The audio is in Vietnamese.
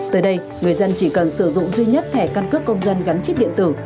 tới đây người dân chỉ cần sử dụng duy nhất thẻ căn cước công dân gắn chip điện tử